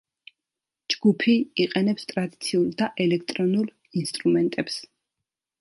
ჯგუფი იყენებს ტრადიციულ და ელექტრონულ ინსტრუმენტებს.